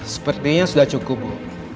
sepertinya sudah cukup bu